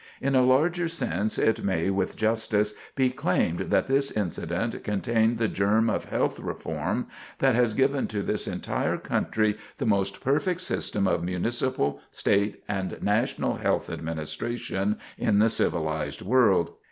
In a larger sense it may, with justice, be claimed that this incident contained the germ of health reform that has given to this entire country the most perfect system of municipal, state, and national health administration in the civilized world.